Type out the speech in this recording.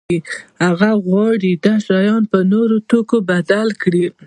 هغه غواړي دا شیان په نورو توکو بدل کړي.